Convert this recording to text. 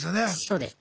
そうです。